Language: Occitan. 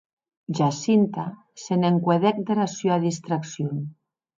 Jacinta se n’encuedèc dera sua distraccion.